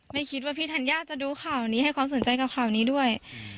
ไม่คิดว่าพี่ธัญญาจะดูข่าวนี้ให้ความสนใจกับข่าวนี้ด้วย